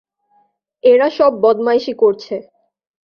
এরা সব বদমাইশি করছে।